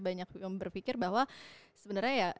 banyak yang berpikir bahwa sebenarnya ya